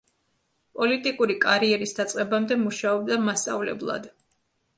პოლიტიკური კარიერის დაწყებამდე მუშაობდა მასწავლებლად.